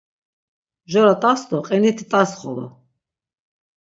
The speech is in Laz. Mjora t̆as do qiniti t̆as xolo...